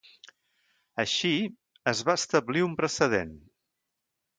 Així, es va establir un precedent.